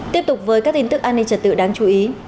tiếp tục với các tin tức an ninh trật tự đáng chú ý